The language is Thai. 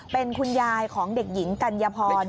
เป็นคุณยายของเด็กหญิงกัญญพร